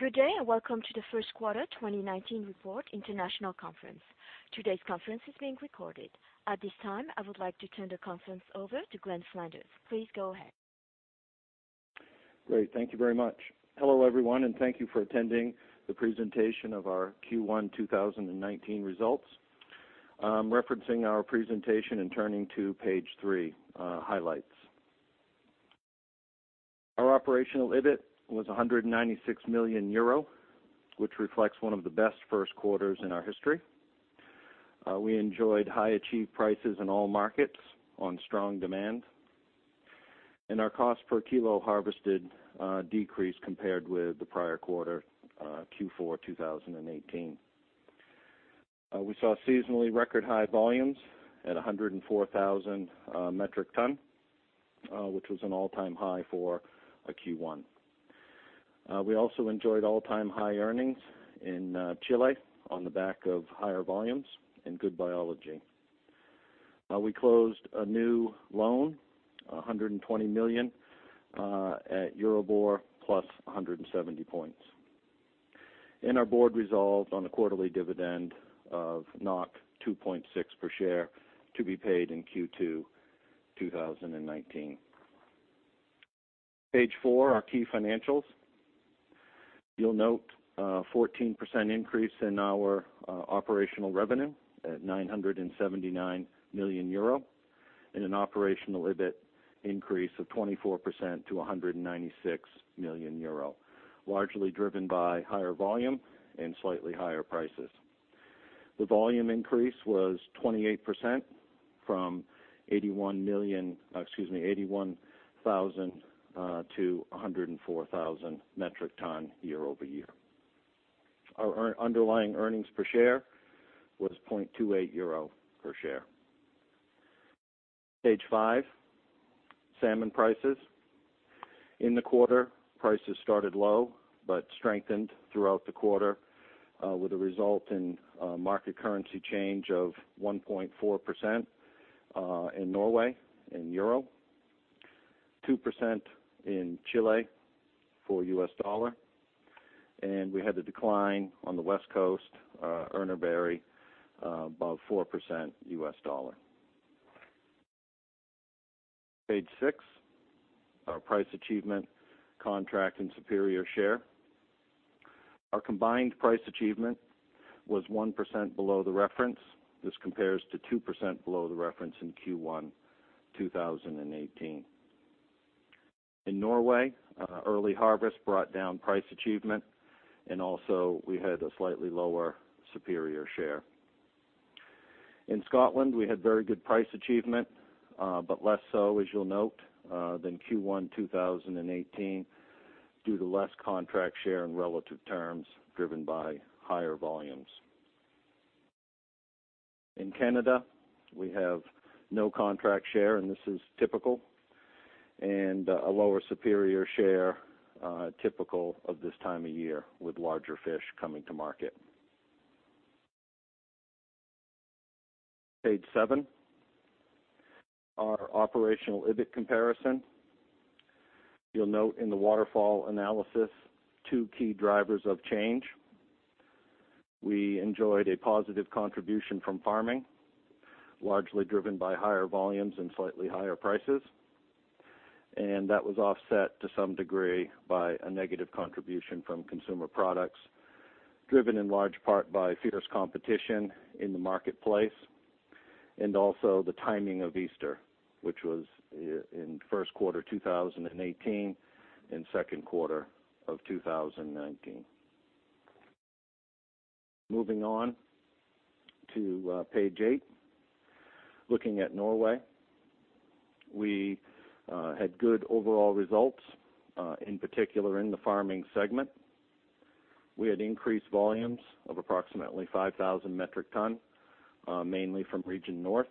Good day, welcome to the first quarter 2019 report international conference. Today's conference is being recorded. At this time, I would like to turn the conference over to Glen Flanders. Please go ahead. Great. Thank you very much. Hello, everyone, thank you for attending the presentation of our Q1 2019 results. I'm referencing our presentation and turning to page three, highlights. Our operational EBIT was 196 million euro, which reflects one of the best first quarters in our history. We enjoyed high achieved prices in all markets on strong demand. Our cost per kilo harvested decreased compared with the prior quarter, Q4 2018. We saw seasonally record high volumes at 104,000 metric tons, which was an all-time high for a Q1. We also enjoyed all-time high earnings in Chile on the back of higher volumes and good biology. We closed a new loan, 120 million at EURIBOR plus 170 points. Our board resolved on a quarterly dividend of 2.6 per share to be paid in Q2 2019. Page four, our key financials. You'll note a 14% increase in our operational revenue at 979 million euro and an operational EBIT increase of 24% to 196 million euro, largely driven by higher volume and slightly higher prices. The volume increase was 28% from 81,000 to 104,000 metric tons year-over-year. Our underlying earnings per share was 0.28 euro per share. Page five, salmon prices. In the quarter, prices started low, strengthened throughout the quarter with a result in market currency change of 1.4% in Norway in EUR, 2% in Chile for USD, We had a decline on the West Coast, Urner Barry, above 4% USD. Page six, our price achievement, contract, and superior share. In Scotland, we had very good price achievement, less so, as you'll note, than Q1 2018 due to less contract share in relative terms driven by higher volumes. In Canada, we have no contract share, this is typical, a lower superior share, typical of this time of year with larger fish coming to market. Page seven, our operational EBIT comparison. You'll note in the waterfall analysis two key drivers of change. We enjoyed a positive contribution from farming, largely driven by higher volumes and slightly higher prices. That was offset to some degree by a negative contribution from consumer products, driven in large part by fierce competition in the marketplace, also the timing of Easter, which was in first quarter 2018 and second quarter of 2019. Moving on to page eight. Looking at Norway. We had good overall results, in particular in the farming segment. We had increased volumes of approximately 5,000 metric ton, mainly from Region North.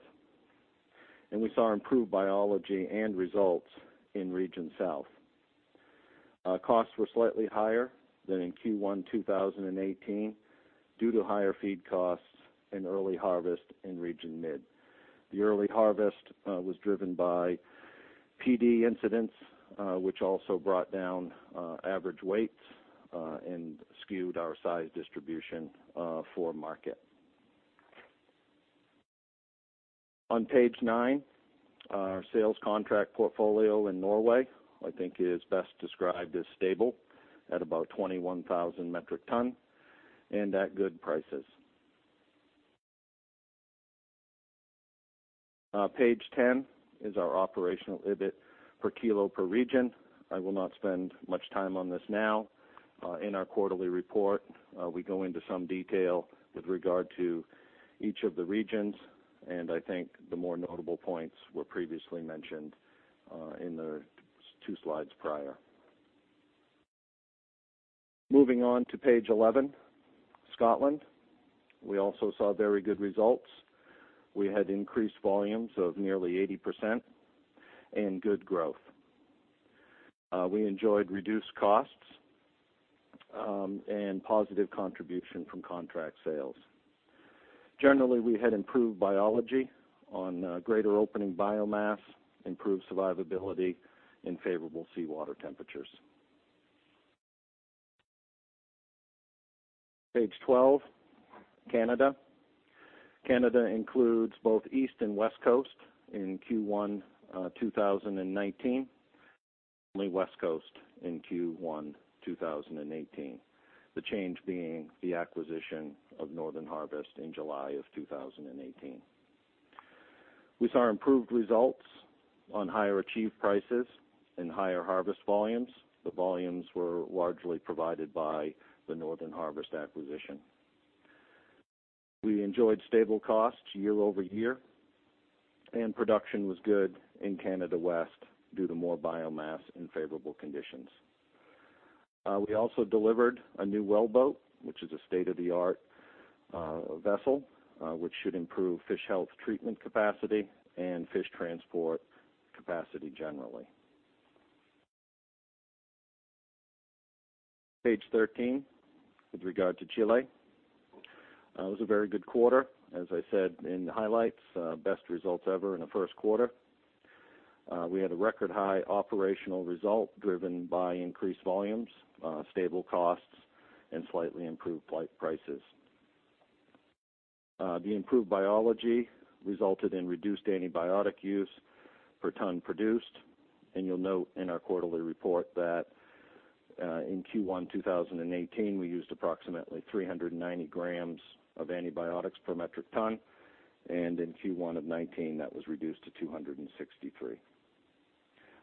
We saw improved biology and results in Region South. Costs were slightly higher than in Q1 2018 due to higher feed costs and early harvest in Region Mid. The early harvest was driven by PD incidents, which also brought down average weights and skewed our size distribution for market. On page nine, our sales contract portfolio in Norway, I think is best described as stable at about 21,000 metric ton and at good prices. Page 10 is our operational EBIT per kilo per region. I will not spend much time on this now. In our quarterly report, we go into some detail with regard to each of the regions, and I think the more notable points were previously mentioned in the two slides prior. Moving on to page 11, Scotland. We also saw very good results. We had increased volumes of nearly 80% and good growth. We enjoyed reduced costs and positive contribution from contract sales. Generally, we had improved biology on greater opening biomass, improved survivability in favorable seawater temperatures. Page 12, Canada. Canada includes both East and West Coast in Q1 2019. Only West Coast in Q1 2018. The change being the acquisition of Northern Harvest in July of 2018. We saw improved results on higher achieved prices and higher harvest volumes. The volumes were largely provided by the Northern Harvest acquisition. We enjoyed stable costs year-over-year, and production was good in Canada West due to more biomass and favorable conditions. We also delivered a new well boat, which is a state-of-the-art vessel, which should improve fish health treatment capacity and fish transport capacity generally. Page 13. With regard to Chile, it was a very good quarter. As I said in the highlights, best results ever in the first quarter. We had a record high operational result driven by increased volumes, stable costs, and slightly improved prices. The improved biology resulted in reduced antibiotic use per ton produced. You'll note in our quarterly report that in Q1 2018, we used approximately 390 grams of antibiotics per metric ton, and in Q1 2019, that was reduced to 263.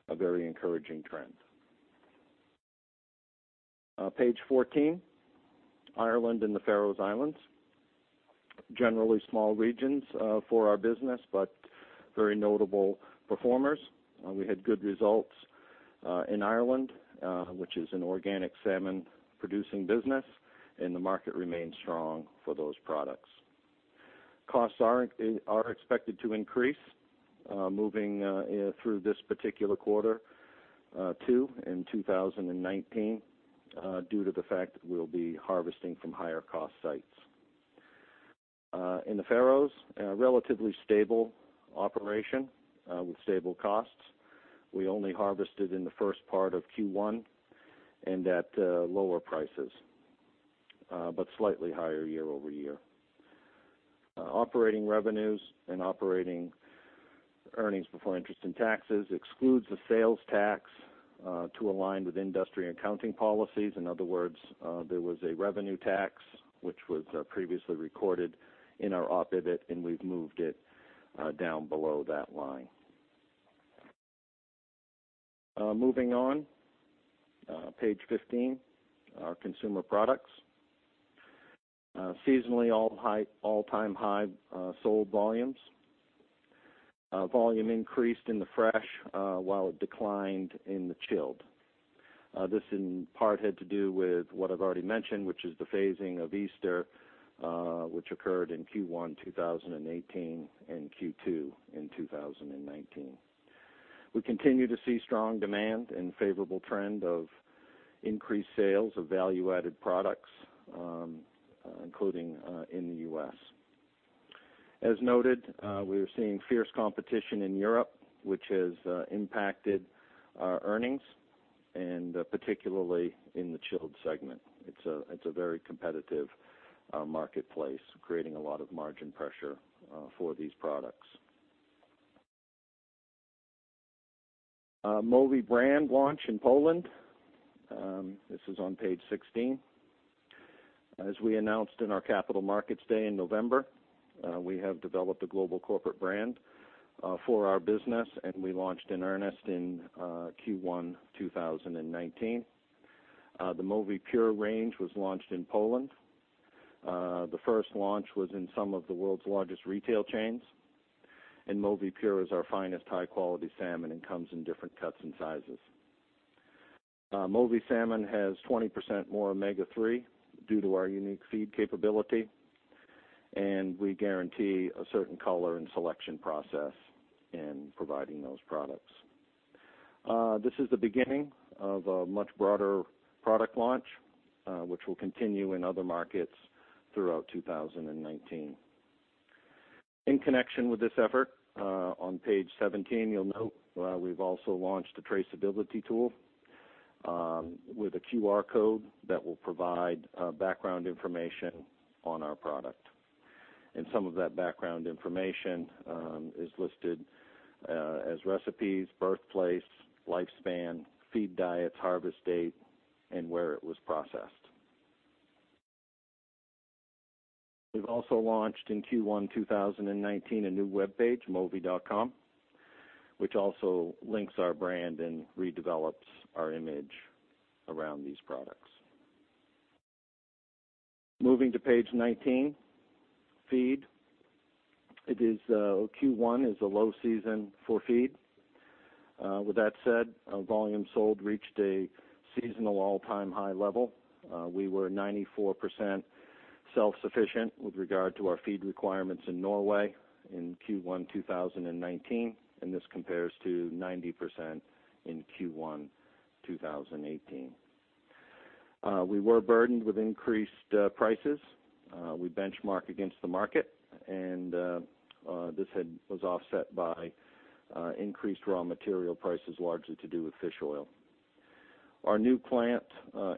A very encouraging trend. Page 14. Ireland and the Faroe Islands. Generally small regions for our business, but very notable performers. We had good results in Ireland, which is an organic salmon producing business, and the market remains strong for those products. Costs are expected to increase moving through this particular Q2 2019 due to the fact that we'll be harvesting from higher cost sites. In the Faroes, a relatively stable operation with stable costs. We only harvested in the first part of Q1 and at lower prices. Slightly higher year-over-year. Operating revenues and operating earnings before interest and taxes excludes the sales tax to align with industry accounting policies. In other words, there was a revenue tax, which was previously recorded in our EBIT, and we've moved it down below that line. Moving on, page 15, our consumer products. Seasonally all-time high sold volumes. Volume increased in the fresh, while it declined in the chilled. This in part had to do with what I've already mentioned, which is the phasing of Easter, which occurred in Q1 2018 and Q2 2019. We continue to see strong demand and favorable trend of increased sales of value-added products, including in the U.S. As noted, we are seeing fierce competition in Europe, which has impacted our earnings, and particularly in the chilled segment. It's a very competitive marketplace, creating a lot of margin pressure for these products. Mowi brand launch in Poland. This is on page 16. As we announced in our Capital Markets Day in November, we have developed a global corporate brand for our business, and we launched in earnest in Q1 2019. The MOWI Pure range was launched in Poland. The first launch was in some of the world's largest retail chains. MOWI Pure is our finest high-quality salmon and comes in different cuts and sizes. Mowi salmon has 20% more omega-3 due to our unique feed capability, and we guarantee a certain color and selection process in providing those products. This is the beginning of a much broader product launch, which will continue in other markets throughout 2019. In connection with this effort, on page 17, you'll note we've also launched a traceability tool with a QR code that will provide background information on our product. Some of that background information is listed as recipes, birthplace, lifespan, feed diets, harvest date, and where it was processed. We've also launched in Q1 2019 a new webpage, mowi.com, which also links our brand and redevelops our image around these products. Moving to page 19. Feed. Q1 is a low season for feed. With that said, volume sold reached a seasonal all-time high level. We were 94% self-sufficient with regard to our feed requirements in Norway in Q1 2019, and this compares to 90% in Q1 2018. We were burdened with increased prices. We benchmark against the market, and this was offset by increased raw material prices, largely to do with fish oil. Our new plant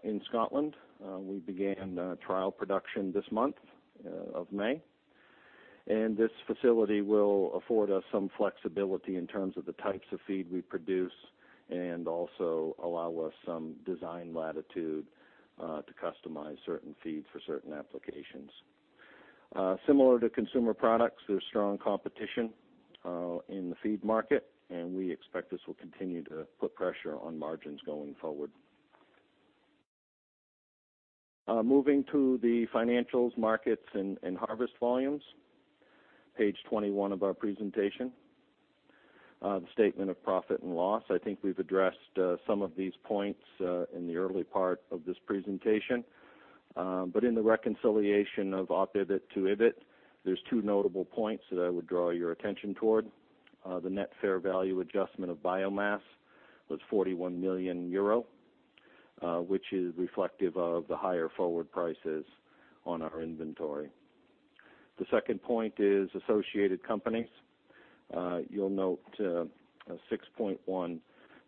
in Scotland, we began trial production this month of May, and this facility will afford us some flexibility in terms of the types of feed we produce and also allow us some design latitude to customize certain feeds for certain applications. Similar to consumer products, there's strong competition in the feed market, and we expect this will continue to put pressure on margins going forward. Moving to the financials markets and harvest volumes. Page 21 of our presentation. The statement of profit and loss. I think we've addressed some of these points in the early part of this presentation. In the reconciliation of EBIT to EBIT, there's two notable points that I would draw your attention toward. The net fair value adjustment of biomass was 41 million euro, which is reflective of the higher forward prices on our inventory. The second point is associated companies. You'll note 6.1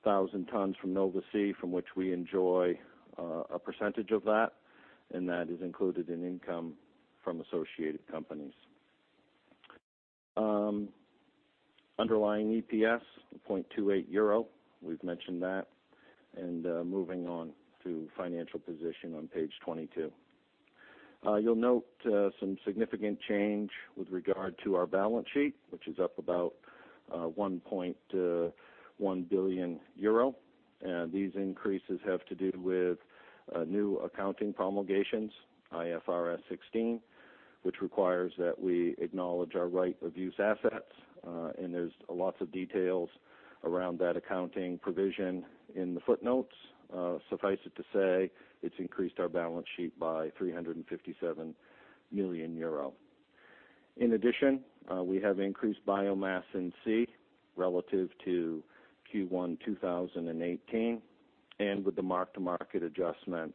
thousand tons from Nova Sea, from which we enjoy a percentage of that, and that is included in income from associated companies. Underlying EPS, 2.8 euro. We've mentioned that. Moving on to financial position on page 22. You'll note some significant change with regard to our balance sheet, which is up about 1.1 billion euro. These increases have to do with new accounting promulgations, IFRS 16, which requires that we acknowledge our right-of-use assets, and there's lots of details around that accounting provision in the footnotes. Suffice it to say, it's increased our balance sheet by 357 million euro. In addition, we have increased biomass in sea relative to Q1 2018, and with the mark-to-market adjustment,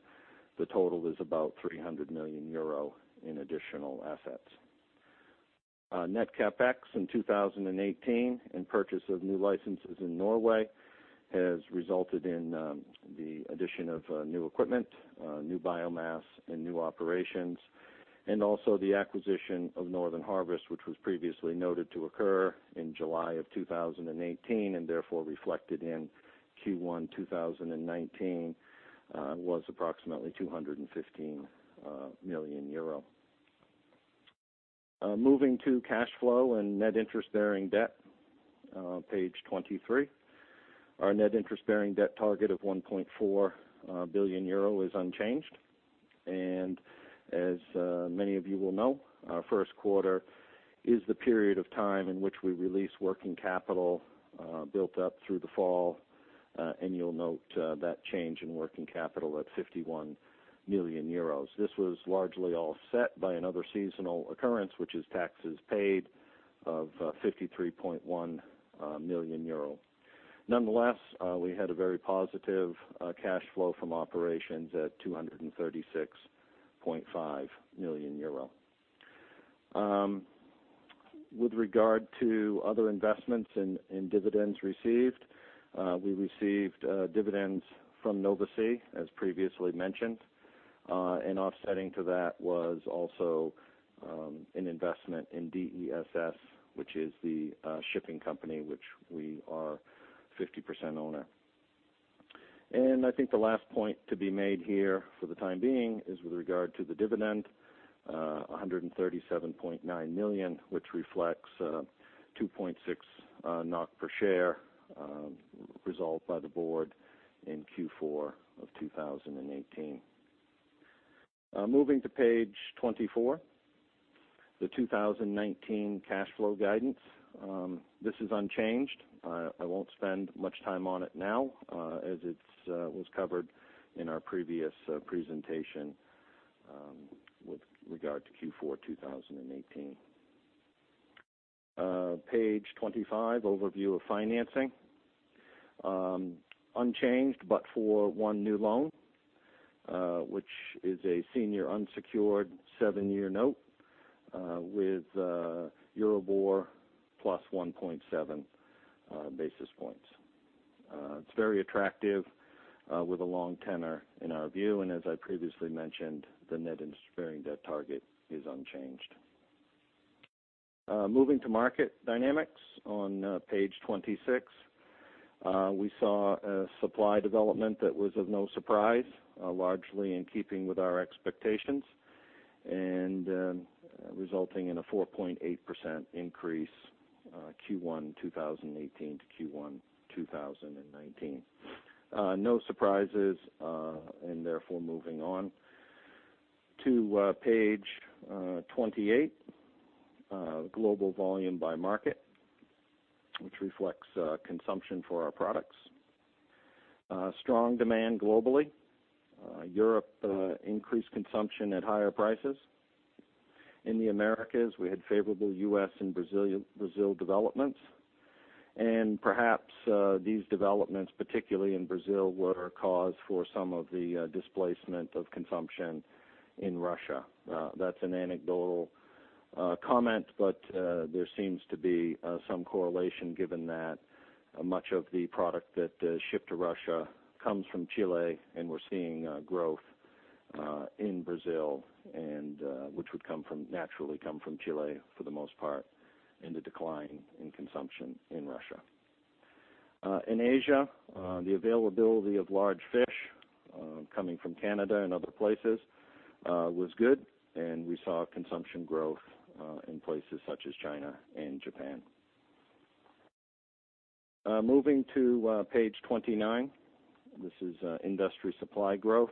the total is about 300 million euro in additional assets. Net CapEx in 2018 and purchase of new licenses in Norway has resulted in the addition of new equipment, new biomass, and new operations, also the acquisition of Northern Harvest, which was previously noted to occur in July of 2018 and therefore reflected in Q1 2019, was approximately 215 million euro. Moving to cash flow and net interest-bearing debt on page 23. Our net interest-bearing debt target of 1.4 billion euro is unchanged. As many of you will know, our first quarter is the period of time in which we release working capital built up through the fall, and you'll note that change in working capital at 51 million euros. This was largely offset by another seasonal occurrence, which is taxes paid of 53.1 million euro. Nonetheless, we had a very positive cash flow from operations at 236.5 million euro. With regard to other investments in dividends received, we received dividends from Nova Sea, as previously mentioned. Offsetting to that was also an investment in DESS, which is the shipping company which we are 50% owner. I think the last point to be made here for the time being is with regard to the dividend, 137.9 million, which reflects 2.6 NOK per share resolved by the board in Q4 of 2018. Moving to page 24, the 2019 cash flow guidance. This is unchanged. I won't spend much time on it now, as it was covered in our previous presentation with regard to Q4 2018. Page 25, overview of financing. Unchanged, for one new loan, which is a senior unsecured seven-year note with EURIBOR plus 1.7 basis points. It's very attractive with a long tenor in our view. As I previously mentioned, the net interest-bearing debt target is unchanged. Moving to market dynamics on page 26. We saw a supply development that was of no surprise, largely in keeping with our expectations and resulting in a 4.8% increase Q1 2018 to Q1 2019. No surprises, therefore moving on to page 28, global volume by market, which reflects consumption for our products. Strong demand globally. Europe increased consumption at higher prices. In the Americas, we had favorable U.S. and Brazil developments. Perhaps these developments, particularly in Brazil, were cause for some of the displacement of consumption in Russia. That's an anecdotal comment, but there seems to be some correlation given that much of the product that shipped to Russia comes from Chile, and we're seeing growth in Brazil, which would naturally come from Chile for the most part, and the decline in consumption in Russia. In Asia, the availability of large fish coming from Canada and other places was good, and we saw consumption growth in places such as China and Japan. Moving to page 29. This is industry supply growth.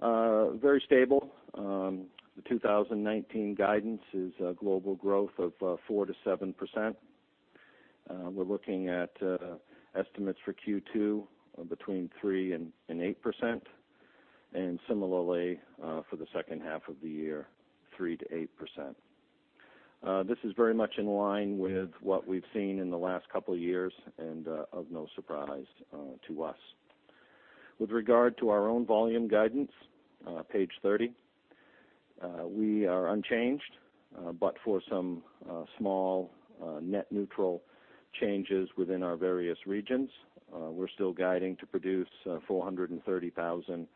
Very stable. The 2019 guidance is a global growth of 4% to 7%. We're looking at estimates for Q2 of between 3% and 8%, and similarly, for the second half of the year, 3% to 8%. This is very much in line with what we've seen in the last couple of years and of no surprise to us. With regard to our own volume guidance, page 30. We are unchanged, for some small net neutral changes within our various regions. We're still guiding to produce 430,000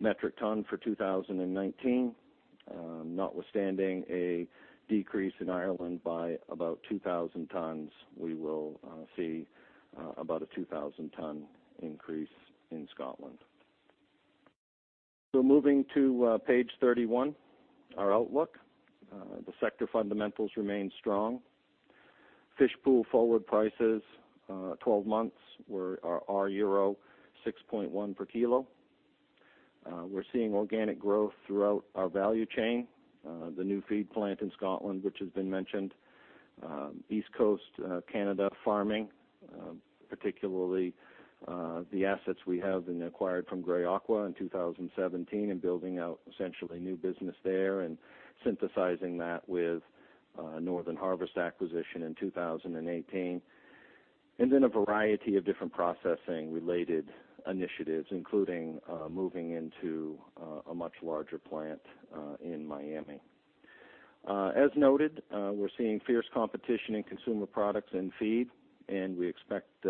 metric tons for 2019. Notwithstanding a decrease in Ireland by about 2,000 tons, we will see about a 2,000 tons increase in Scotland. Moving to page 31, our outlook. The sector fundamentals remain strong. Fish Pool forward prices, 12 months, are euro 6.1 per kilo. We're seeing organic growth throughout our value chain. The new feed plant in Scotland, which has been mentioned. East Coast Canada farming, particularly the assets we have acquired from Grieg Seafood in 2017, and building out essentially new business there and synthesizing that with Northern Harvest acquisition in 2018. Then a variety of different processing-related initiatives, including moving into a much larger plant in Miami. As noted, we're seeing fierce competition in consumer products and feed, and we expect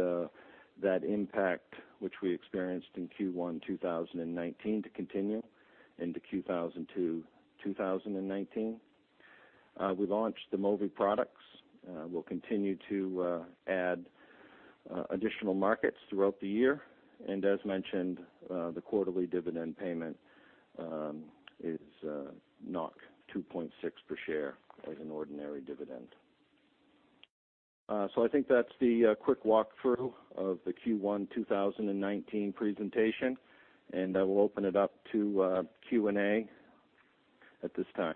that impact, which we experienced in Q1 2019, to continue into Q2 2019. We launched the Mowi products. We'll continue to add additional markets throughout the year. As mentioned, the quarterly dividend payment is 2.6 per share as an ordinary dividend. I think that's the quick walkthrough of the Q1 2019 presentation. I will open it up to Q&A at this time.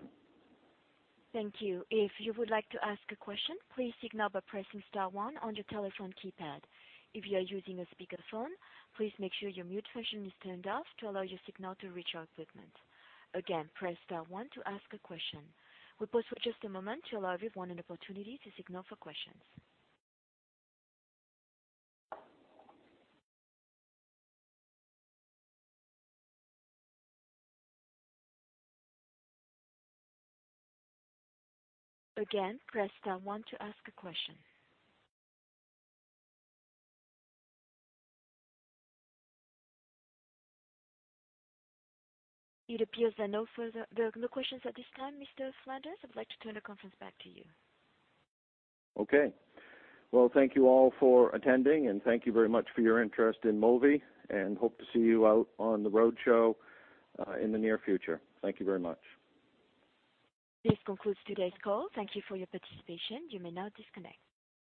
Thank you. If you would like to ask a question, please signal by pressing star one on your telephone keypad. If you are using a speakerphone, please make sure your mute function is turned off to allow your signal to reach our equipment. Again, press star one to ask a question. We pause for just a moment to allow everyone an opportunity to signal for questions. Again, press star one to ask a question. It appears there are no questions at this time. Mr. Vindheim, I'd like to turn the conference back to you. Thank you all for attending. Thank you very much for your interest in Mowi. Hope to see you out on the roadshow in the near future. Thank you very much. This concludes today's call. Thank you for your participation. You may now disconnect.